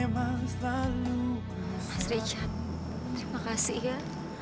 mas richard terima kasih ya